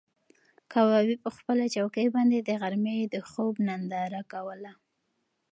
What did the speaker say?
کبابي په خپله چوکۍ باندې د غرمې د خوب ننداره کوله.